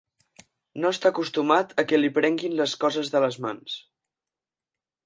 No està acostumat a que li prenguin les coses de les mans.